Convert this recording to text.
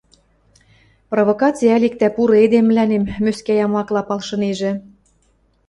Провокаци ӓль иктӓ пуры эдем мӹлӓнем мӧскӓ ямакла палшынежӹ?»